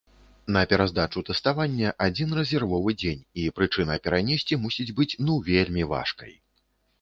На пераздачу тэставання адзін рэзервовы дзень, і прычына перанесці мусіць быць ну вельмі важкай.